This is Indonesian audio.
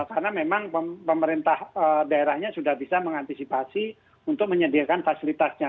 karena memang pemerintah daerahnya sudah bisa mengantisipasi untuk menyediakan fasilitasnya